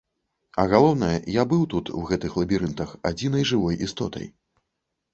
А галоўнае, я быў тут, у гэтых лабірынтах, адзінай жывой істотай.